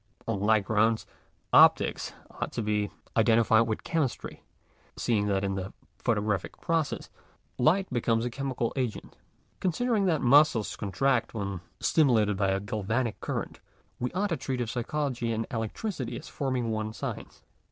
On like grounds Optics ought to be Digitized by VjOOQIC THE CONDITIONS OF ITS REALIZATION. 71 identified with Chemistry; seeing that in the photographic process, light becomes a chemical agent Considering that muscles contract when stimulated by a galvanic current, we ought to treat of Physiology and Electricity as forming one science.